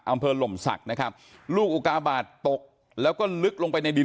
หล่มศักดิ์นะครับลูกอุกาบาทตกแล้วก็ลึกลงไปในดิน